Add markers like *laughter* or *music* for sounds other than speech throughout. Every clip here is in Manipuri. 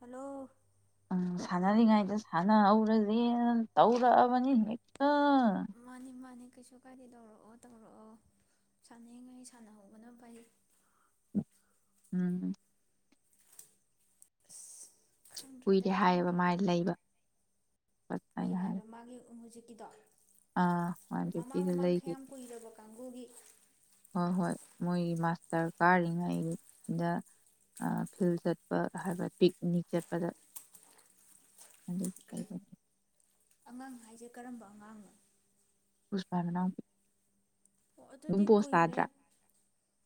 ꯍꯜꯂꯣ ꯎꯝ ꯁꯥꯟꯅꯔꯤꯉꯥꯏꯗ ꯁꯥꯟꯅꯍꯧꯔꯁꯦꯅ ꯇꯧꯔꯛꯑꯕꯅꯤ ꯍꯦꯛꯇ ꯃꯥꯅꯤ ꯃꯥꯅꯤ ꯀꯩꯁꯨ ꯀꯥꯏꯗꯦ ꯇꯧꯔꯛꯑꯣ ꯇꯧꯔꯛꯑꯣ ꯁꯥꯟꯅꯉꯩ ꯁꯥꯟꯅꯍꯧꯕꯅ ꯐꯩ ꯎꯝ ꯑꯁ ꯈꯪꯗ꯭ꯔꯦꯗ ꯀꯨꯏꯔꯦ ꯍꯥꯏꯌꯦꯕ ꯈꯪꯗ꯭ꯔꯦꯗ ꯃꯥꯥꯏ ꯂꯩꯕ ꯍꯥꯏꯅ ꯍꯥꯏ ꯏꯗꯣ ꯑꯥ ꯋꯥꯟ ꯐꯤꯐꯇꯤꯗ ꯂꯩꯈꯤꯅꯦ꯫ ꯀꯨꯒꯤ ꯍꯣꯏ ꯍꯣꯏ ꯃꯣꯏꯒꯤ ꯃꯥꯁꯇꯔ ꯀꯥꯔꯤꯉꯩꯗ ꯐꯤꯜ ꯆꯠꯄ ꯍꯥꯏꯕ ꯄꯤꯛꯅꯤꯛ ꯆꯠꯄꯗ ꯑꯗꯨꯒꯤ ꯑꯉꯥꯡ ꯍꯥꯏꯁꯦ ꯀꯔꯝꯕ ꯑꯉꯥꯡꯅꯣ ꯄꯨꯨꯁꯄꯥ ꯃꯅꯥꯎꯄꯤ ꯑꯣ ꯑꯗꯨꯝ ꯑꯗꯨꯗꯤ ꯄꯣꯁ ꯀꯨꯏꯔꯦ ꯇꯥꯗ꯭ꯔꯥ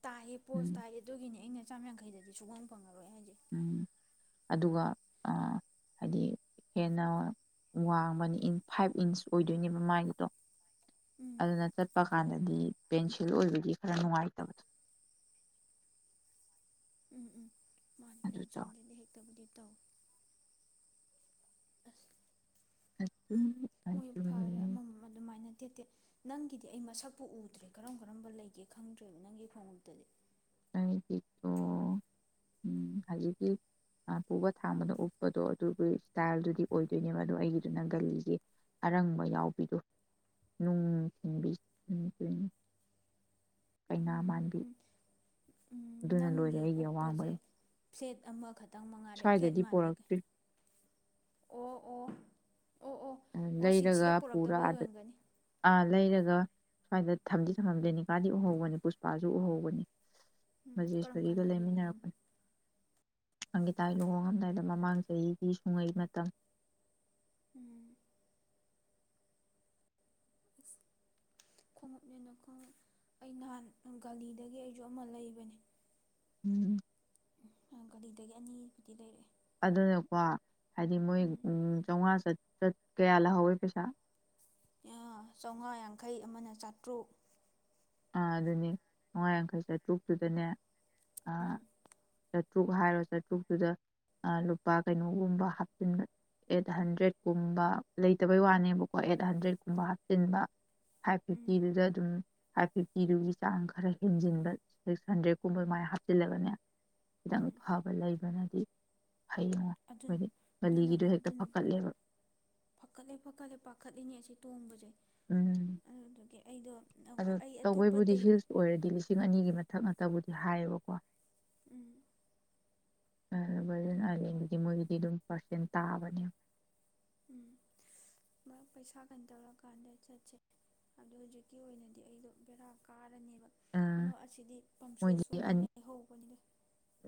ꯇꯥꯏꯌꯦ ꯄꯣꯁ ꯎꯝ ꯇꯥꯏꯑ ꯑꯗꯨꯒꯤꯅꯦ ꯑꯩꯅ ꯆꯥꯝ ꯌꯥꯡꯈꯩꯗ ꯁꯨꯐꯝ ꯐꯪꯉꯔꯣ ꯎꯝ ꯑꯗꯨꯒ ꯍꯥꯏꯗꯤ ꯍꯦꯟꯅ ꯋꯥꯡꯕꯅꯤ ꯐꯥꯏꯚ ꯏꯟꯁ ꯑꯣꯏꯗꯣꯏꯅꯦꯕ ꯃꯥꯏꯒꯤꯗꯣ ꯎꯝ ꯑꯗꯨꯅ ꯆꯠꯄ ꯀꯥꯟꯗꯗꯤ ꯄꯦꯟꯁꯤꯜ ꯑꯣꯏꯕꯒꯤ ꯈꯔ ꯅꯨꯡꯉꯥꯏꯇꯕꯗꯣ ꯍꯣꯏ ꯄꯦꯟꯁꯤꯜꯒꯗ ꯇꯣ ꯑ *unintelligible* ꯃꯣꯏ ꯐꯔꯦ ꯑꯃꯃꯝ ꯑꯗꯨꯃꯥꯏꯅ ꯇꯦ ꯇꯦ ꯅꯪꯒꯤꯗꯤ ꯑꯩ ꯃꯁꯛꯄꯨ ꯎꯗ꯭ꯔꯦ ꯀꯔꯝ ꯀꯔꯝꯕ ꯂꯩꯒꯦ ꯈꯪꯗ꯭ꯔꯦꯕ ꯅꯪꯒꯤ ꯈꯣꯡꯎꯞꯇꯗꯤ ꯑꯩꯒꯤꯗꯣ ꯎ ꯍꯧꯖꯤꯛꯀꯤ ꯄꯨꯕ ꯊꯥꯡꯕꯗ ꯎꯞꯄꯗꯣ ꯑꯗꯨꯒꯤ ꯏꯁꯇꯥꯏꯜꯗꯨꯗꯤ ꯑꯣꯏꯗꯣꯏꯅꯦꯕ ꯑꯗꯣ ꯑꯩꯒꯤꯗꯨꯅ ꯒꯜꯂꯤꯒꯤ ꯑꯔꯪꯕ ꯌꯥꯎꯕꯤꯗꯣ ꯅꯨꯡ ꯊꯤꯟꯕꯤ ꯀꯩꯅꯥ ꯎꯝ ꯃꯥꯟꯕꯤ ꯎꯝ ꯎꯝ ꯑꯗꯨꯅ ꯂꯣꯏꯔꯦ ꯅꯪꯒꯤ ꯑꯩꯒꯤ ꯑꯋꯥꯡꯕꯩ ꯎꯞꯄꯁꯦ ꯐ꯭ꯂꯦꯠ ꯑꯃꯈꯛ ꯈꯤ ꯇꯪ ꯃꯉꯥꯗ ꯐ꯭ꯂꯦꯠ ꯃꯥꯟꯕꯤꯒꯦ ꯄꯣꯔꯛꯇ꯭ꯔꯤ ꯑꯣ ꯑꯣ ꯑꯣ ꯑꯣ ꯑꯣ ꯁꯤ ꯂꯩꯔꯒ ꯁꯤꯗ ꯄꯨꯔꯛꯇꯕꯩ ꯄꯨꯔꯗ ꯑꯣꯏꯔꯝꯒꯅꯤ ꯑ ꯂꯩꯔꯒ ꯁ꯭ꯋꯥꯏꯗ ꯊꯝꯗꯤ ꯊꯝꯉꯝꯗꯦꯅꯤꯀꯥꯗꯤ ꯎꯍꯧꯕꯅꯤ ꯄꯨꯁꯄꯥꯁꯨ ꯎꯍꯧꯕꯅꯤ ꯎꯝ ꯀꯔꯝ ꯀꯥꯟ ꯕꯖꯦꯁꯔꯤꯒ ꯂꯩꯔꯤꯕ ꯅꯪ ꯂꯩꯃꯤꯟꯅꯔꯛꯄꯅꯤ ꯑꯪꯒꯤꯇꯥ ꯂꯨꯍꯣꯡꯡꯂꯝꯗꯥꯏꯗ ꯃꯃꯥꯡ ꯆꯍꯤꯒꯤ ꯁꯨꯡꯉꯩ ꯃꯇꯝ ꯎꯝ ꯈꯣꯡꯉꯞꯅꯦꯅ ꯈꯣꯡ ꯑꯩ ꯅꯍꯥꯟ ꯒꯥꯂꯤꯗꯒꯤ ꯑꯩꯁꯨ ꯑꯃ ꯂꯩꯕꯅꯦ ꯎꯝ ꯒꯥꯂꯤꯗꯒꯤ ꯑꯅꯤꯕꯨꯗꯤ ꯂꯩꯔꯛꯑꯦ ꯑꯗꯨꯅꯦꯀꯣ ꯍꯥꯏꯗꯤ ꯃꯣꯏ ꯎꯝ ꯎ ꯆꯣꯡꯉꯥ ꯆ ꯆꯠ ꯀꯌꯥꯂ ꯍꯋꯦ ꯄꯩꯁꯥ ꯆꯥꯝꯃꯉꯥ ꯌꯥꯡꯈꯩ ꯑꯃꯅ ꯆꯥꯇ꯭ꯔꯨꯛ ꯑꯥ ꯑꯗꯨꯅꯤ ꯍꯋꯥꯥ ꯌꯥꯡꯈꯩ ꯆꯥꯇ꯭ꯔꯨꯛꯇꯨꯗꯅꯦ ꯑ ꯎꯝ ꯆꯥꯇ꯭ꯔꯨꯛ ꯍꯥꯏꯔꯣ ꯆꯥꯇ꯭ꯔꯨꯛꯇꯨꯗ ꯂꯨꯄꯥ ꯀꯩꯅꯣꯒꯨꯝꯕ ꯍꯥꯞꯆꯤꯟꯕ ꯑꯦꯠ ꯍꯟꯗ꯭ꯔꯦꯠꯀꯨꯝꯕ ꯂꯩꯇꯕꯩ ꯋꯥꯅꯦꯕꯀꯣ ꯑꯦꯠ ꯍꯟꯗ꯭ꯔꯦꯠꯀꯨꯝꯕ ꯍꯥꯞꯆꯤꯟꯕ ꯐꯥꯏꯚ ꯎꯝ ꯐꯤꯐꯇꯤꯗꯨꯗ ꯑꯗꯨꯝ ꯐꯥꯏꯚ ꯐꯤꯐꯇꯤꯗꯨꯒꯤ ꯆꯥꯡ ꯈꯔ ꯍꯦꯟꯖꯤꯟꯕ ꯁꯤꯛꯁ ꯍꯟꯗ꯭ꯔꯦꯗꯀꯨꯝꯕ ꯑꯗꯨꯃꯥꯏꯅ ꯍꯥꯞꯆꯤꯜꯂꯒꯅꯦ ꯈꯤꯇꯪ ꯐꯕ ꯂꯩꯕꯅꯗꯤ ꯐꯩ ꯌꯦꯡꯉꯣ ꯑꯩꯈꯣꯏꯗꯤ ꯕꯂꯤꯒꯤꯗꯣ ꯍꯦꯛꯇ ꯅꯅꯕꯨꯗꯤ ꯐꯀꯠꯂꯦꯕ ꯐꯀꯠꯂꯦ ꯐꯀꯠꯂꯦ ꯄꯥꯈꯠꯂꯤꯅꯤ ꯑꯁꯤ ꯇꯣꯡꯝꯕꯖꯦ ꯎꯝ ꯑꯣ ꯑꯩ ꯑꯇꯣꯞꯄ ꯇꯧꯕꯣꯏꯕꯨꯗꯤ ꯑꯇꯩ ꯍꯤꯜꯁ ꯑꯣꯏꯔꯗꯤ ꯂꯤꯁꯤꯡ ꯑꯅꯤꯒꯤ ꯃꯊꯛ ꯉ ꯇꯕꯨꯗꯤ ꯍꯥꯏꯌꯦꯕꯀꯣ ꯎꯝ ꯀꯔꯝꯕ ꯎꯝ ꯍꯣꯏ ꯑꯔꯗꯤ ꯃꯔꯗꯔ ꯆꯆꯤꯟ ꯇꯥꯕꯅꯤ ꯎꯝ ꯃꯥ ꯄꯩꯁꯥ ꯀꯩꯅ ꯇꯧꯔꯀꯥꯟꯗ ꯆꯠꯁꯦ ꯑꯣ ꯍꯧꯖꯤꯛꯀꯤ ꯑꯣꯏꯅꯗꯤ ꯑꯩꯗꯣ ꯕꯦꯔꯥ ꯀꯥꯔꯅꯦꯕ ꯑꯃ ꯑꯁꯤꯗꯤ ꯃꯣꯏꯗꯤ ꯄꯝꯁꯨꯁ ꯑꯣꯏꯅ ꯑ ꯂꯩꯍꯧꯕꯅꯤꯗ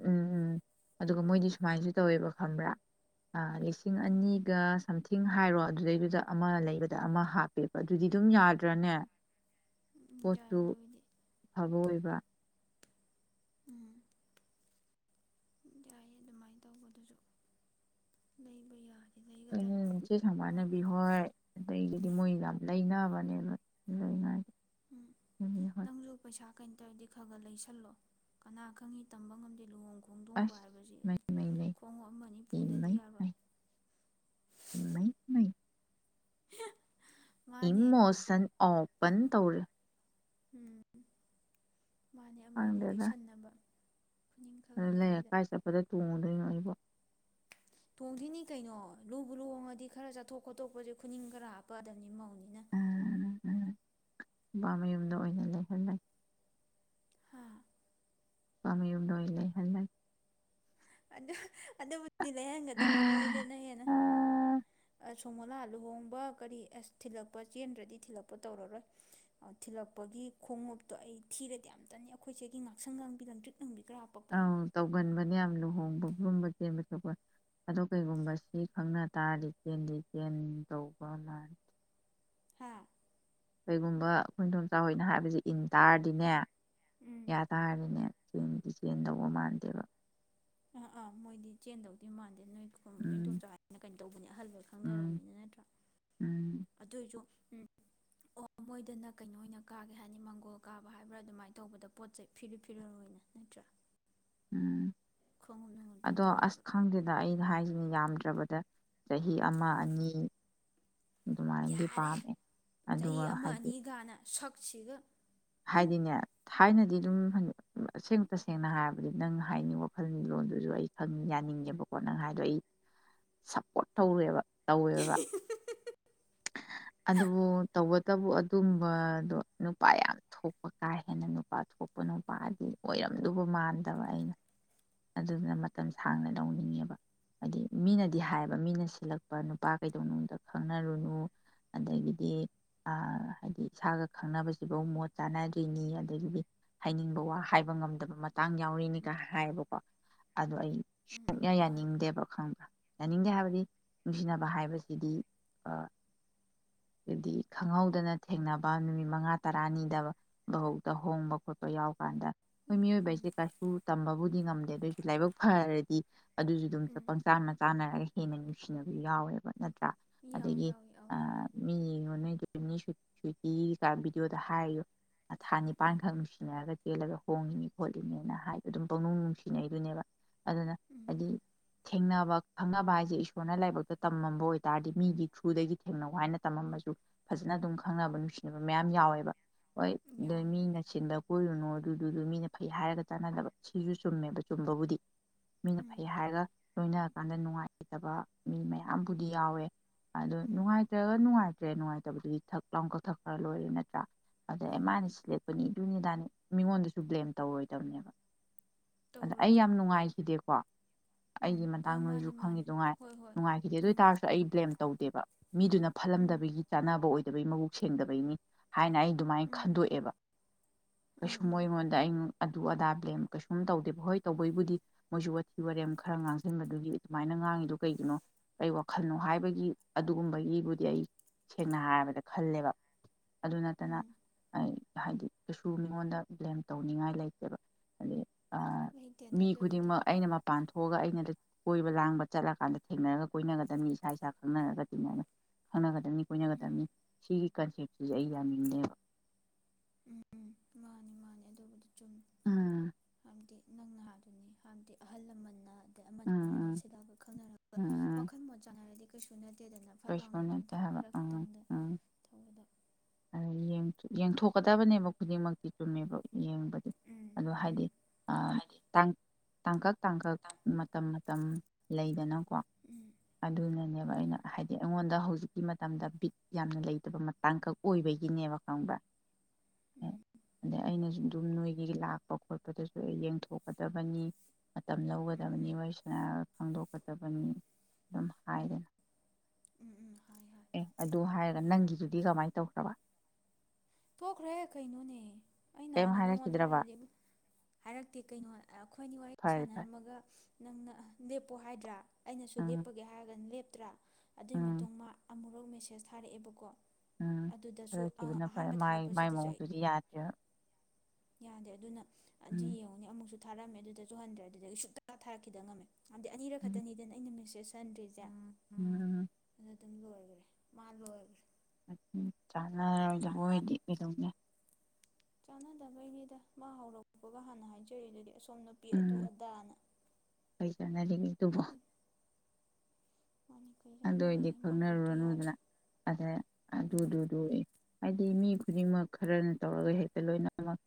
ꯎꯝ ꯎꯝ ꯑꯗꯨꯒ ꯃꯣꯏꯗꯤ ꯁꯨꯃꯥꯏꯅꯁꯨ ꯇꯧꯋꯦꯕ ꯈꯪꯕ꯭ꯔꯥ ꯂꯤꯁꯤꯡ ꯎꯝ ꯑꯅꯤꯒ ꯁꯝꯊꯤꯡ ꯍꯥꯏꯔꯣ ꯑꯗꯨꯗꯩꯗꯨꯗ ꯑꯃ ꯂꯩꯕꯗ ꯑꯃ ꯍꯥꯞꯄꯦꯕ ꯑꯗꯨꯗꯤ ꯑꯗꯨꯝ ꯌꯥꯗ꯭ꯔꯅꯦ ꯎꯝ ꯌꯥꯏ ꯄꯆꯨ ꯑꯗꯨ ꯑꯣꯏꯗꯤ ꯐꯕꯣꯏ ꯎꯝ ꯌꯥꯏꯌꯦ ꯑꯗꯨꯃꯥꯏꯅ ꯇꯧꯕꯗꯨꯁꯨ ꯂꯩꯕ ꯌꯥꯅꯤ ꯑꯩꯆꯦ ꯁꯃꯅꯕꯤ ꯍꯣꯏ ꯑꯗ ꯍꯥꯏꯗꯤ ꯃꯣꯏ ꯌꯥꯝ ꯂꯩꯅꯕꯅꯦꯕ ꯂꯩꯉꯥꯏ ꯎꯝ ꯍꯣꯏ ꯅꯪꯁꯨ ꯄꯩꯁꯥ ꯀꯩ ꯇꯧꯔꯗꯤ ꯈ ꯈ ꯂꯩꯁꯜꯂꯣ ꯀꯅꯥ ꯈꯪꯉꯤ ꯇꯝꯕ ꯉꯝꯗꯦ ꯂꯨꯍꯣꯡꯕ ꯈꯣꯡꯗꯣꯡꯕ ꯑꯁ ꯍꯥꯏꯕꯁꯤ ꯃꯩ ꯃꯩ ꯈꯣꯡꯎꯞ ꯃꯩ ꯃꯅꯤꯄꯨꯔꯗꯗꯤ ꯌꯥꯔꯣꯏ ꯃꯩ ꯃꯩ ꯃꯩ ꯍꯦ ꯏꯃꯣꯁꯟ ꯑꯣꯐ ꯟ ꯇꯧꯔ ꯎꯝ ꯃꯥꯅꯦ ꯑꯃꯅꯤ ꯂꯩꯁꯟꯅꯕ ꯈꯨꯅꯤꯡ ꯑ ꯈꯔ ꯈꯔ ꯂꯩ ꯌꯥꯎꯕꯤꯗ ꯀꯥꯏ ꯆꯄꯗꯦ ꯇꯨꯡ ꯈꯣꯡꯊꯅꯤ ꯀꯩꯅꯣ ꯂꯨ ꯕꯨ ꯂꯣꯡꯉꯗꯤ ꯈꯔ ꯆꯥꯊꯣꯛ ꯈꯣꯠꯇꯣꯛꯄꯁꯦ ꯈꯨꯅꯤꯡ ꯈꯔ ꯍꯥꯞꯄꯗꯕꯅꯤ ꯃꯧꯅꯤ ꯎꯝ, ꯎꯝ. ꯅꯨꯄꯥ ꯃꯌꯨꯝꯗ ꯑꯣꯏꯅ ꯂꯩꯍꯜꯟꯅꯩ ꯍꯥ ꯑꯃꯤ ꯎꯅꯣ ꯂꯩꯦ ꯍꯂ ꯑꯗ ꯑꯗ ꯗꯤ ꯂꯩꯍꯟꯒꯗꯕꯅꯤ ꯃꯣꯏꯅꯦꯅ ꯍꯦꯟꯅ ꯁꯣꯒꯣꯂꯥ ꯂꯨꯍꯣꯡꯕ ꯀꯔꯤ ꯑꯁ ꯊꯤꯜꯂꯛꯄ ꯆꯦꯟꯗ꯭ꯔꯗꯤ ꯊꯤꯜꯂꯛꯄ ꯇꯧꯔꯔꯣꯏ ꯊꯤꯜꯂꯛꯄꯒꯤ ꯈꯣꯡꯎꯞꯇꯣ ꯑꯩ ꯊꯤꯔꯗꯤ ꯌꯥꯝꯇꯅꯤ ꯑꯩꯈꯣꯏꯁꯦꯒꯤ ꯉꯥꯛꯁꯪ ꯉꯥꯡꯕꯤ ꯉꯝꯗ꯭ꯔꯤ ꯑꯥꯎ ꯇꯧꯒꯟꯕꯅꯦ ꯌꯥꯝ ꯂꯨꯍꯣꯡꯉꯦ ꯣꯠꯀꯨꯝꯕ ꯆꯦꯟꯕ ꯊꯣꯛꯄ ꯑ ꯀꯩꯒꯨꯝꯕ ꯁꯤ ꯈꯪꯅ ꯇꯥꯔꯗꯤ ꯆꯦꯟꯗꯤ ꯆꯦꯟ ꯇꯧꯕ ꯂꯦ ꯍꯥꯥ ꯀꯩꯒꯨꯝꯕ ꯈꯈꯣꯡꯊꯣ ꯆꯥꯎꯍꯣꯏꯅ ꯍꯥꯏꯕꯁꯦ ꯏꯟ ꯇꯥꯔꯗꯤꯅꯦ ꯎꯝ ꯌꯥ ꯇ ꯍꯥꯏꯔꯅꯦ ꯗꯤꯖꯦꯟ ꯇꯧꯕ ꯃꯥꯟꯗꯦꯕ ꯑꯥ ꯑꯥ ꯃꯣꯏꯗꯤ ꯆꯦꯟꯗꯧꯗꯣꯏ ꯃꯥꯟꯗꯦ ꯅꯣꯏ ꯅꯣꯏ ꯎꯝ ꯅꯤꯡꯗꯣꯝ ꯆꯥ ꯍꯥꯏꯅ ꯀꯩꯅꯣ ꯇꯧꯕꯅꯦ ꯑꯍꯜꯕ ꯎꯝ ꯈꯪꯅꯔꯝꯃꯤꯅ ꯅꯠꯇ꯭ꯔꯥ ꯎꯝ ꯑꯗꯨꯏꯁꯨ ꯎꯝ ꯑꯣ ꯃꯣꯏꯗꯅ ꯀꯩꯅꯣ ꯑꯣꯏꯅ ꯀꯥꯒꯦ ꯍꯥꯏꯅꯤ ꯃꯪꯒꯣꯜ ꯀꯥꯕ ꯍꯥꯏꯕ꯭ꯔꯥ ꯑꯗꯨꯃꯥꯏꯅ ꯇꯧꯕꯗ ꯄꯣꯠ ꯆꯩꯦ ꯐꯤꯔꯨ ꯐꯤꯔꯜ ꯑꯣꯏꯅ ꯅꯠꯇ꯭ꯔꯥ ꯎꯝ ꯈꯣꯡꯎꯞ ꯅꯨꯡꯉꯨꯞꯇꯤ ꯑꯗꯣ ꯑꯁ ꯇꯧꯔꯔꯣꯏ ꯈꯪꯗꯦꯗ ꯑꯩꯅ ꯍꯥꯏꯁꯤꯅꯦ ꯌꯥꯝꯗ꯭ꯦ ꯅꯠꯇ꯭ꯔꯕꯗ ꯆꯍꯤ ꯑꯃ ꯑꯅꯤ ꯑꯗꯨꯃꯥꯏꯅꯗꯤ ꯌꯥꯔꯦ ꯄꯥꯝꯃꯦ ꯑꯗꯨꯒ ꯍꯥꯏꯗꯤ ꯄꯁꯤꯤꯒ ꯍꯥꯏꯗꯤꯅꯦ ꯊꯥꯏꯅꯗꯤ ꯑꯗꯨꯝ ꯑꯁꯦꯡ ꯇꯁꯦꯡꯅ ꯍꯥꯏꯔꯕꯗꯤ ꯅꯪ ꯍꯥꯏꯅꯤꯡꯕ ꯋꯥꯈꯜꯒꯤ ꯂꯣꯟꯗꯨꯁꯨ ꯑꯩ ꯈꯪ ꯌꯥꯅꯤꯡꯉꯦꯕꯀꯣ ꯅꯪ ꯍꯥꯏꯗꯣ ꯑꯩ ꯁꯞꯄꯣꯔꯠ ꯇꯧꯔꯦꯕ ꯇꯧꯋꯦꯕ ꯑꯗꯨꯕꯨ ꯇꯧꯕ ꯇꯕꯨ ꯑꯗꯨꯝꯕꯗꯣ ꯅꯨꯄꯥ ꯌꯥꯝ ꯊꯣꯛꯄ ꯀꯥ ꯍꯦꯟꯅ ꯅꯨꯄꯥ ꯊꯣꯛꯄ ꯅꯨꯄꯥꯗꯤ ꯑꯣꯏꯔꯝꯗꯕ ꯃꯥꯟꯗꯕ ꯑꯩꯅ ꯑꯗꯨꯗꯨꯅ ꯃꯇꯝ ꯁꯥꯡꯅ ꯂꯧꯅꯤꯡꯉꯦꯕ ꯍꯥꯏꯗꯤ ꯃꯤꯅꯗꯤ ꯍꯥꯏꯌꯦꯕ ꯃꯤꯅ ꯁꯤꯜꯂꯛꯄ ꯅꯨꯄꯥ ꯀꯩꯗꯧꯅꯨꯡꯗ ꯈꯪꯅꯔꯨꯅꯨ ꯑꯗꯒꯤꯗꯤ ꯍꯥꯏꯗꯤ ꯏꯁꯥꯒ ꯈꯪꯅꯕꯁꯤꯐꯧ ꯃꯣꯠ ꯆꯥꯟꯅꯗꯣꯏꯅꯤ ꯑꯗꯒꯤꯗꯤ ꯍꯥꯏꯅꯤꯡꯕ ꯋꯥ ꯍꯥꯏꯕ ꯉꯝꯗꯕ ꯃꯇꯥꯡ ꯌꯥꯎꯔꯤꯅꯤꯒ ꯍꯥꯏꯌꯦꯕꯀꯣ ꯑꯗꯣ ꯑꯩ ꯎꯝ ꯎꯝ ꯁꯣꯛꯅ ꯃꯥꯅꯦ ꯌꯥꯅꯤꯡꯗꯦꯕ ꯈꯪꯕ꯭ꯔ ꯌꯥꯅꯤꯡꯗꯦ ꯍꯥꯏꯕꯗꯤ ꯅꯨꯡꯁꯤꯅꯕ ꯍꯥꯏꯕꯁꯤꯗꯤ ꯍꯥꯏꯗꯤ ꯈꯪꯍꯧꯗꯅ ꯊꯦꯡꯅꯕ ꯅꯨꯃꯤꯠ ꯃꯉꯥ ꯇꯔꯥꯅꯤꯗꯕ ꯧꯗ ꯍꯣꯡꯕ ꯈꯣꯠꯄ ꯌꯥꯎ ꯀꯥꯟꯗ ꯑꯩꯈꯣꯏ ꯃꯤꯑꯣꯏꯕ ꯎꯝ ꯍꯥꯏꯁꯦ ꯀꯩꯁꯨ ꯇꯝꯕꯕꯨ ꯗꯤ ꯉꯝꯗꯦ ꯑꯗꯨ ꯑꯣꯏꯁꯨ ꯂꯥꯏꯕꯛ ꯐꯔꯗꯤ ꯑꯗꯨꯁꯨ ꯑꯗꯨꯝ ꯎꯝ ꯆꯄꯪ *unintelligible* ꯍꯦꯟꯅ ꯅꯨꯡꯁꯤꯅꯕ ꯌꯥꯎꯋꯦꯕ ꯅꯠꯇ꯭ꯔꯥ ꯌꯥꯎꯋꯤ ꯑꯗꯒꯤ ꯌꯥꯎꯋꯤ ꯌꯥꯎꯋꯤ ꯎꯝ ꯃꯤ ꯌꯦꯡꯉꯣ ꯅꯣꯏ__ *unintelligible* ꯚꯤꯗꯤꯑꯣꯗ ꯍꯥꯏꯔꯤꯌꯨ ꯊꯥ ꯎꯝ ꯅꯤꯄꯥꯟꯈꯛ ꯅꯨꯡꯁꯤꯅꯔꯒ ꯆꯦꯜꯂꯒ ꯍꯣꯡꯉꯤꯅꯤ ꯈꯣꯠꯂꯤꯅꯦꯅ ꯍꯥꯏꯕꯗꯣ ꯑꯗꯨꯝ ꯄꯪꯅꯨꯡ ꯅꯨꯡꯁꯤꯅꯩꯗꯨꯅꯦꯕ ꯑꯗꯨꯅ ꯍꯥꯏꯗꯤ ꯊꯦꯡꯅꯕ ꯈꯪꯅꯕ ꯍꯥꯏꯁꯦ ꯏꯁꯣꯔꯅ ꯂꯥꯏꯕꯛꯇ ꯇꯝꯃꯝꯕ ꯑꯣꯏꯇꯥꯥꯔꯗꯤ ꯃꯤꯒꯤ ꯊ꯭ꯔꯨꯗꯒꯤ ꯊꯦꯡꯅꯧ ꯍꯥꯏꯅ ꯇꯝꯃꯝꯃꯥꯁꯨ ꯐꯖꯅ ꯑꯗꯨꯝ ꯈꯪꯅꯕ ꯅꯨꯡꯁꯤꯅꯕ ꯃꯌꯥꯝ ꯌꯥꯎꯋꯦꯕ ꯃꯤ ꯎꯝ ꯌꯥꯎꯋꯤ ꯌꯥꯎꯋꯤ *unintelligible* ꯄꯨꯣꯏꯅ ꯗꯨꯗꯨꯗꯨ ꯃꯤꯅ ꯐꯩ ꯍꯥꯏꯔꯒ ꯆꯥꯟꯅꯗꯕ ꯁꯤꯁꯨ ꯆꯨꯝꯃꯦꯕ ꯆꯨꯝꯕꯕꯨꯗꯤ ꯃꯤꯅ ꯎꯝ ꯐꯩ ꯍꯥꯏꯔꯒ ꯂꯣꯏꯅꯔꯀꯥꯟꯗ ꯅꯨꯡꯉꯥꯏꯇꯥꯕ ꯃꯤ ꯃꯌꯥꯝꯕꯨꯗꯤ ꯌꯥꯎꯋꯦ ꯑꯗꯣ ꯎꯝ ꯅꯨꯡꯉꯥꯏꯇ꯭ꯔꯒ ꯅꯨꯡꯉꯥꯏ__ ꯇ꯭ꯔꯦ ꯅꯨꯡꯉꯥꯏꯇꯕꯗꯨꯗꯤ ꯊꯛ ꯂꯥꯎ ꯀꯛꯊꯛ ꯈꯔ ꯂꯣꯏꯔꯦ ꯅꯠꯇ꯭ꯔꯥ ꯑꯗꯩꯩ ꯎꯝ ꯃꯥꯅ ꯁꯤꯂꯛꯄꯅꯤ ꯑꯗꯨꯅꯤꯗꯥꯅꯤ ꯃꯤꯉꯣꯟꯗꯁꯨ ꯕ꯭ꯂꯦꯝ ꯇꯧꯔꯣꯏꯗꯕꯅꯦꯕ ꯑꯗ ꯑꯩ ꯌꯥꯝ ꯇꯧꯔꯣꯏꯗꯕꯅꯤ ꯅꯨꯡꯉꯥꯏꯈꯤꯗꯦꯀꯣ ꯎꯝ ꯑꯩꯒꯤ ꯑꯥ ꯃꯇꯥꯡ ꯅꯣꯏꯁꯨ ꯃꯥꯅꯤ ꯃꯥꯅꯤ ꯈꯪꯉꯤꯗꯨꯉꯥꯏ ꯍꯣꯏ ꯍꯣꯏ ꯅꯨꯡꯉꯥꯏꯈꯤꯗꯦ ꯑꯗꯣꯏ ꯎꯝ ꯇꯔꯁꯨ ꯑꯩ ꯕ꯭ꯂꯦꯝ ꯇꯧꯗꯦꯕ ꯃꯤꯗꯨꯅ ꯎꯝ ꯐꯠꯂꯝꯗꯕꯒꯤ ꯆꯥꯟꯅꯕ ꯑꯣꯏ__ ꯃꯕꯨꯛ ꯁꯦꯡꯗꯕꯩꯅꯤ ꯍꯥꯏꯅ ꯑꯩ ꯑꯗꯨꯃꯥꯏ__ ꯎꯝ ꯈꯟꯗꯣꯛꯑꯦꯕ ꯎꯝ ꯀꯩꯁꯨꯝ ꯃꯣꯏ ꯎꯝ ꯑꯩꯉꯣꯟꯗ ꯑꯩ ꯑꯗꯨ ꯑꯗꯥ ꯕ꯭ꯂꯦꯝ ꯀꯩꯁꯨꯝ ꯇꯧꯗꯦꯕ ꯍꯣꯏ ꯇꯧꯕꯩꯕꯨꯗꯤ ꯃꯣꯏꯁꯨ ꯋꯥꯊꯤ ꯋꯥꯔꯦꯝ ꯈꯔ ꯉꯥꯡꯁꯤꯟꯕꯗꯨꯒꯤ ꯑꯗꯨꯃꯥꯏꯅ ꯉꯥꯡꯉꯤꯗꯣ ꯀꯩꯒꯤꯅꯣ ꯀꯩ ꯋꯥꯈꯜꯅꯣ ꯍꯥꯏꯕꯒꯤ ꯑꯗꯨꯒꯨꯝꯕꯒꯤꯕꯨꯗꯤ ꯑꯩ ꯁꯦꯡꯅ ꯍꯥꯏꯔꯕꯗ ꯈꯜꯂꯦꯕ ꯑꯗꯨ ꯅꯠꯇꯅ ꯎꯝ ꯍꯥꯏꯗꯤ ꯀꯩꯁꯨ ꯃꯤꯉꯣꯟꯗ ꯕ꯭ꯂꯦꯝ ꯇꯧꯅꯤꯡꯉꯥꯏ ꯂꯩꯇꯦꯕ ꯑꯗꯩ ꯂꯩꯇꯦꯗ ꯃꯤ ꯑꯗꯨꯒꯤꯗꯤ ꯈꯨꯗꯤꯡꯃꯛ ꯑꯩꯅ ꯃꯄꯥꯟ ꯊꯣ ꯊꯣꯛꯑꯒ ꯑꯩꯅꯗ ꯀꯣꯏꯕ ꯂꯥꯡꯕ ꯆꯠꯂꯀꯥꯟꯗ ꯊꯦꯡꯅꯔꯒ ꯀꯣꯏꯅꯒꯗꯝꯅꯤ ꯏꯁꯥ ꯏꯁꯥ ꯈꯪꯅꯔꯒ ꯇꯤꯟꯅꯔꯒ ꯈꯪꯅꯒꯗꯝꯕꯅꯤ ꯎꯝ ꯀꯣꯏꯅꯒꯗꯃꯤ ꯁꯤꯒꯤ ꯀꯟꯁꯦꯞ ꯁꯤꯁꯦ ꯑꯩ ꯌꯥꯅꯤꯡꯗꯦꯕ ꯎꯝ *unintelligible* ꯎꯝ ꯍꯥꯟꯗꯤ ꯑꯍꯜ ꯂꯃꯟꯅ ꯑꯃꯅ ꯑꯃꯅ ꯎꯝ ꯎꯝ ꯁꯤꯜꯂꯛꯑꯒ ꯈꯪꯅꯔꯛꯄ ꯎꯝ ꯋꯥꯈꯜ ꯃꯣꯠ ꯆꯥꯟꯅꯔꯗꯤ ꯁꯨꯅ ꯀꯩꯁꯨ ꯅꯠꯇꯦ ꯍꯥꯏꯕ ꯎꯝ ꯎꯝ ꯇꯧꯕꯗ ꯌꯦꯡꯊꯣꯛꯀꯗꯕꯅꯦꯕ ꯈꯨꯗꯤꯡꯃꯛꯇꯤ ꯆꯨꯝꯃꯦꯕ ꯌꯦꯡꯕꯗꯤ ꯎꯝ ꯑꯗꯣ ꯎꯝ ꯍꯥꯏꯗꯤ ꯑꯗꯣ ꯍꯥꯏꯗꯤ ꯇꯥꯡ ꯇꯥꯡꯀꯛ ꯇꯥꯡꯀꯛ ꯇꯪ ꯃꯇꯝ ꯃꯇꯝ ꯂꯩꯗꯅ ꯀꯣ ꯎꯝ ꯑꯗꯨꯅꯅꯦꯕ ꯑꯩꯅ ꯃꯥꯅꯦ ꯑꯩꯉꯣꯟꯗ ꯍꯧꯖꯤꯛꯀꯤ ꯃꯇꯝꯗ ꯕꯤꯛ ꯌꯥꯝꯅ ꯂꯩꯇꯕ ꯃꯇꯥꯡꯀꯛ ꯑꯣꯏꯕꯒꯤꯅꯦꯕ ꯈꯪꯕ꯭ꯔꯥ ꯎꯝ ꯑꯗꯩꯩ ꯑꯩꯅꯁꯨ__ ꯑꯗꯨꯝ ꯅꯣꯏꯒꯤ ꯂꯥꯛꯄ ꯈꯣꯠꯄꯗꯁꯨ ꯑꯩ ꯌꯦꯡꯊꯣꯛꯀꯗꯕꯅꯤ ꯃꯇꯝ ꯎꯝ ꯂꯧꯒꯗꯕꯅꯤ ꯎꯝ ꯋꯥꯔꯤ ꯁꯅꯔꯒ ꯈꯪꯗꯣꯛꯀ ꯆꯕꯅꯤ ꯑꯗꯨꯝ ꯎꯝ ꯍꯥꯏꯗꯅ ꯎꯝ ꯎꯝ ꯍꯥꯏ ꯍꯥꯏ ꯑꯦ ꯑꯗꯨ ꯍꯥꯏꯔꯒ ꯃꯥꯅꯦ ꯅꯪꯒꯤꯗꯨꯗꯤ ꯀꯃꯥꯏꯅ ꯇꯧꯋꯏ ꯊꯣꯈ꯭ꯔꯦ ꯀꯩꯅꯩꯅꯣꯅꯦ ꯑꯩ ꯅ ꯀꯩꯝ ꯍꯥꯟꯅ ꯅꯪꯉꯣꯟꯗ ꯍꯥꯏꯔꯛꯈꯤꯗ꯭ꯔꯕ ꯍꯥꯏꯔꯗꯤ ꯍꯥꯏꯔꯛꯇꯦ ꯀꯩꯅꯣ ꯑꯩꯈꯣꯏꯅꯤ ꯋꯥꯔꯤ ꯐꯔꯦ ꯐꯔꯦ ꯁꯥꯟꯅꯔꯝꯃꯒ ꯅꯪꯅ ꯂꯦꯞꯄꯣ ꯍꯥꯏꯗ꯭ꯔꯥ ꯑꯩꯅꯁꯨ ꯎꯝ ꯂꯦꯞꯄꯒ ꯍꯥꯏꯔꯒꯅ ꯂꯦꯞꯄ ꯅꯠꯇ꯭ꯔꯥ ꯑꯗꯨꯒꯤ ꯎꯝ ꯃꯇꯨꯡ ꯃꯥ ꯑꯃꯨꯛꯨꯔꯛ ꯃꯦꯁꯦꯁ ꯊꯥꯔꯛꯑꯦꯕꯀꯣ ꯎꯝ ꯑꯗꯨꯗꯁꯨ ꯑ ꯊꯥꯗꯣꯛꯈꯤꯕꯅ ꯐꯔꯦ ꯑꯍꯥꯟꯕ ꯃꯥꯏ ꯃꯥꯏ ꯊꯥꯔꯛꯄꯁꯤꯗꯁꯨ ꯑꯩ ꯃꯣꯡꯗꯨꯗꯤ ꯌꯥꯗ꯭ꯔꯦ ꯌꯥꯗꯦ ꯑꯗꯨꯅ ꯗꯤ ꯌꯦꯡꯉꯨꯅꯤ ꯑꯃꯨꯛꯁꯨ ꯊꯥꯔꯝꯃꯦ ꯑꯗꯨꯗ ꯇꯨ ꯍꯟꯗ꯭ꯔꯦ ꯑꯗꯨꯗꯒꯤ ꯑ ꯁꯨꯡꯛꯇ ꯊꯥꯔꯛꯈꯤꯗ ꯉꯝꯃꯦ ꯑꯗꯤ ꯑꯅꯤꯔꯛ ꯎꯝ ꯈꯛꯇꯅꯤꯗꯅ ꯑꯩꯅ ꯃꯦꯁꯦꯁ ꯆꯟꯗ꯭ꯔꯤꯁꯦ ꯎꯝ ꯑꯗꯨꯝ ꯂꯣꯏꯈ꯭ꯔꯦ ꯃꯥ ꯂꯣꯏꯈ꯭ꯔꯦ ꯑ ꯆꯥꯟꯅꯔꯣꯏꯗꯕ ꯑꯣꯏꯗꯤ ꯀꯩꯗꯧꯅꯦ ꯆꯥꯟꯅꯗꯕꯩꯅꯤꯗ ꯃꯥ ꯍꯧꯔꯛꯄꯒ ꯍꯥꯟꯅ ꯍꯥꯏꯖꯔꯤ ꯑꯗꯨꯗꯤ ꯑ ꯑꯣꯝ ꯅꯨꯄꯤ ꯑꯗꯨ ꯎꯝ ꯑꯗꯥꯅ ꯀꯩ ꯆꯥꯟꯅꯔꯤꯒꯦ ꯑꯗꯨꯕꯨ ꯃꯥꯅꯤ ꯀꯩ ꯑꯗꯨ ꯑꯣꯏꯗꯤ ꯀꯥꯟꯅꯔꯤꯒꯦ ꯃꯥꯏ ꯀꯣꯛꯇꯣ ꯌꯥꯗ꯭ꯔꯦ ꯈꯪꯅꯔꯨꯔꯅꯨꯗꯅ ꯑꯗ ꯎꯝ ꯑꯗꯨꯗꯨꯗꯨ ꯍꯥꯏꯗꯤ ꯃꯤ ꯈꯨꯗꯤꯡꯃꯛ ꯈꯔꯅ ꯇꯧꯔꯒ ꯍꯦꯛꯇ ꯂꯣꯏꯅꯃꯛ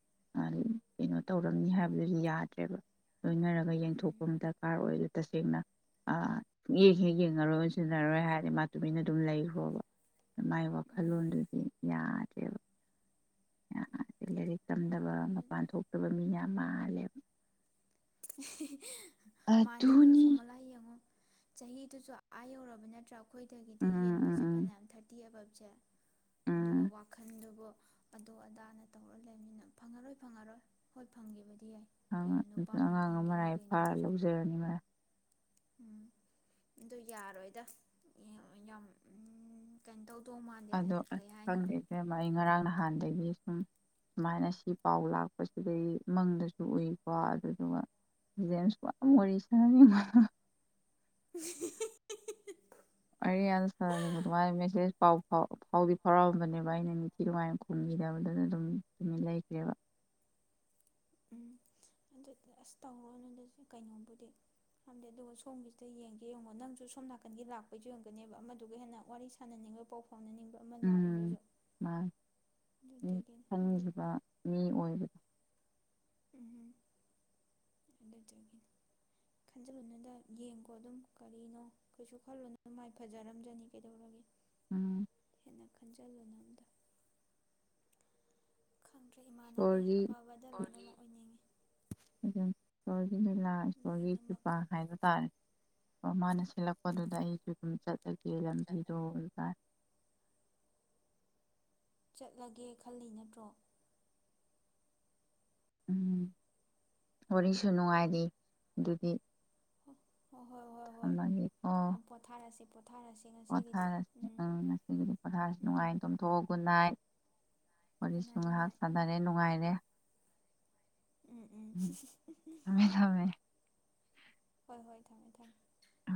ꯀꯩꯅꯣ ꯇꯧꯔꯝꯅꯤ ꯍꯥꯏꯕꯗꯨꯁꯨ ꯌꯥꯗ꯭ꯔꯦꯕ ꯂꯣꯏꯅꯔꯒ ꯌꯦꯡꯊꯣꯛꯄ ꯎꯝ ꯑꯃ ꯗꯔꯀꯥꯔ ꯑꯣꯏꯗ ꯇꯁꯦꯡꯅꯨꯡ ꯌꯦꯦꯛ ꯍꯦꯛ ꯌꯦꯡꯉꯔꯨꯔ ꯁꯤꯖꯤꯟꯅꯔꯣꯏ ꯍꯥꯏꯔꯗꯤ ꯃꯥ ꯇꯨꯃꯤꯟꯅ ꯑꯗꯨꯝ ꯂꯩꯈ꯭ꯔꯣꯕ ꯃꯥꯒꯤ ꯎꯝ ꯋꯥꯈꯜꯂꯣꯟꯗꯨꯗꯤ ꯌꯥꯗ꯭ꯔꯦꯕ ꯌꯥꯗꯦ ꯂꯥꯏꯔꯤꯛ ꯇꯝꯗꯕ ꯃꯥꯅꯤ ꯃꯄꯥꯟ ꯊꯣꯛꯇꯕ ꯃꯤꯅ ꯃꯥꯜꯂꯦꯕ ꯃꯥꯟꯗꯤꯅꯦ ꯑꯗꯨꯅꯤ ꯁꯣꯃꯂꯥ ꯌꯦꯡꯉꯣ ꯆꯍꯤꯗꯨꯁꯨ ꯑꯥ ꯌꯧꯔꯕ ꯅꯠꯇ꯭ꯔꯥ ꯑꯩꯈꯣꯏꯗꯒꯤꯗꯤ ꯎꯝ ꯎꯝ ꯍꯦꯟꯕꯁꯦ ꯎꯝ ꯐꯅꯌꯥꯝ ꯊꯥꯔꯇꯤ ꯑꯐ ꯁꯦ ꯎꯝ ꯑꯗꯨꯒ ꯋꯥꯈꯜꯗꯨꯕꯨ ꯑꯗꯨꯣ ꯑꯗꯥꯅ ꯇꯧꯔ ꯂꯩꯕꯅꯤꯅ ꯐꯪꯉꯔꯣꯏ ꯐꯪꯉꯔꯣꯏ ꯍꯣꯏ ꯐꯪ ꯀ ꯑꯉꯥꯡ ꯑꯃꯅ ꯐꯥꯔ ꯂꯧꯖꯔꯅꯤ ꯃꯥ ꯎꯝ ꯑꯗꯨ ꯌꯥꯔꯣꯏꯗ ꯌꯥꯝ ꯀꯩꯅꯣ ꯇꯧ ꯑꯗꯣ ꯑꯩ ꯈꯪꯗꯔꯤꯁꯦꯕ ꯑꯩ ꯉꯔꯥꯡ ꯅꯍꯥꯟꯗꯒꯤ ꯁꯨꯝ ꯁꯨꯃꯥꯏꯅ ꯁꯤ ꯄꯥꯎ ꯂꯥꯛꯄꯁꯤꯗꯒꯤꯩ ꯏꯃꯪꯗꯁꯨ ꯎꯏꯀꯣ ꯑꯗꯨꯗꯨꯒ ꯖꯦꯝꯁꯀ ꯌꯥꯝ ꯋꯥꯔꯤ ꯁꯥꯟꯅꯅꯤꯡꯕ ꯍꯤ ꯍꯤ ꯍꯤ ꯑꯩ ꯑꯁꯅꯤ ꯑꯗꯨꯉꯥꯏ ꯃꯦꯁꯦꯖꯥꯎ ꯐꯥꯎꯗꯤ ꯐꯥꯎꯔꯛꯑꯝꯕꯅꯦꯕ ꯑꯩꯅ ꯅꯤꯡꯊꯤ ꯅꯨꯡꯉꯥꯏꯅ ꯈꯨꯝꯈꯤꯗꯕꯗꯨꯅ ꯑꯗꯨꯝ ꯂꯩꯈ꯭ꯔꯦꯕ ꯎꯝ ꯑꯗꯨꯗꯤ ꯑꯁ ꯇꯧꯔꯣ ꯅꯪꯗꯁꯨ ꯀꯩꯅꯣꯝꯕꯨꯗꯤ ꯈꯝꯗꯦ ꯑꯗꯨꯒ ꯁꯣꯝꯒꯤꯁꯤꯗ ꯌꯦꯡꯒꯦ ꯌꯦꯡꯉꯣ ꯅꯪꯁꯨ ꯁꯣꯝ ꯅꯥꯀꯟꯒꯤ ꯂꯥꯛꯄꯩꯁꯨ ꯌꯦꯡꯒꯅꯦꯕ ꯑꯃꯗꯨꯒ ꯍꯦꯟꯅ ꯋꯥꯔꯤ ꯁꯥꯟꯅꯅꯤꯡꯕ ꯄꯥꯎ ꯐ ꯎꯝ ꯃꯥ ꯑꯗꯨꯗꯒꯤꯅꯤ ꯍꯥꯏꯗꯤ ꯈꯟꯈꯤꯕ ꯃꯤ ꯑꯣꯏꯕꯗꯣ ꯎꯝꯝ ꯑꯗꯨꯒꯤꯅꯤ ꯈꯟꯖꯤꯜꯂꯨꯅꯗ ꯌꯦꯡꯀꯣ ꯑꯗꯨꯝ ꯀꯔꯤꯅꯣ ꯀꯩꯁꯨ ꯈꯜꯂꯨꯅ ꯑꯗꯨ ꯃꯥꯏ ꯐꯖꯔꯝꯖꯅꯤ ꯀꯩꯗꯧꯔꯒꯦ ꯎꯝ ꯩꯅ ꯈꯟꯖꯤꯜꯂꯨꯅꯕꯗ ꯈꯪꯗ꯭ꯔꯦ ꯏꯃꯥꯟꯅꯕꯤ ꯏꯁꯣꯔꯒꯤ ꯑꯐꯕꯗ ꯂꯩ ꯑꯗꯨꯝ ꯍ ꯂꯤꯂꯥ ꯏꯁꯣꯔꯒꯤ ꯂꯣꯏꯅꯃꯛ ꯀ꯭ꯔꯤꯄꯥ ꯍꯥꯏꯕ ꯇꯥꯔꯦ ꯑꯣ ꯃꯥꯅ ꯁꯤꯠꯂꯛꯄꯗꯨꯗ ꯑꯩꯁꯨ ꯑꯗꯨꯝ ꯆꯠꯂꯒꯦ ꯂꯝꯕꯤꯗꯣ ꯥꯏ ꯆꯠꯂꯒꯦ ꯈꯜꯂꯤ ꯅꯠꯇ꯭ꯔꯣ ꯎꯝ ꯋꯥꯔꯤꯁꯨ ꯅꯨꯡꯉꯥꯏꯔꯤ ꯑꯗꯨꯗꯤ ꯍ ꯊꯝ ꯃꯥꯒꯦꯀꯣ ꯄꯣꯊꯥꯔꯁꯦ ꯄꯣꯊꯥꯔꯁꯦ ꯉꯁꯤꯒꯤꯗꯤ ꯄꯣꯊꯥꯔ ꯎꯝ ꯎ ꯉꯁꯤꯒꯤꯗꯤ ꯄꯣꯊꯥꯔꯁꯤ ꯎꯝ ꯎꯝ ꯅꯨꯡꯉꯥꯏ ꯇꯣꯝꯊꯣꯛꯑꯒꯟꯅꯥꯏ ꯒꯨꯗ ꯋꯥꯔꯤꯁꯨ ꯅꯥꯏꯠ ꯒꯨꯗ ꯉꯥꯏꯍꯥꯛ ꯅꯥꯏꯠ ꯁꯥꯟꯅꯔꯦ ꯅꯨꯡꯉꯥꯏꯔꯦ ꯎꯝ ꯎꯝ ꯊꯝꯃꯦ ꯊꯝꯃꯦ ꯍꯣꯏ ꯍꯣꯏ ꯊꯝꯃꯦ ꯊꯝꯃꯦ ꯑ